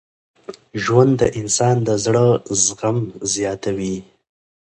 ژوند د انسان د زړه زغم زیاتوي.